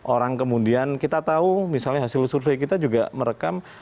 orang kemudian kita tahu misalnya hasil survei kita juga merekam